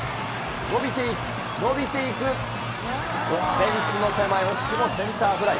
伸びていく、伸びていく、フェンスの手前、惜しくもセンターフライ。